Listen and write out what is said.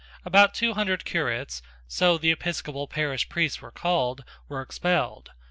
About two hundred curates so the episcopal parish priests were called were expelled.